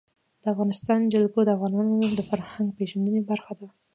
د افغانستان جلکو د افغانانو د فرهنګي پیژندنې برخه ده.